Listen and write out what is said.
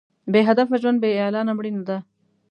بې هدفه ژوند بې اعلانه مړینه ده.